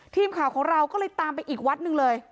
ทีมข่าวของเราก็เลยตามไปอีกวัดหนึ่งเลย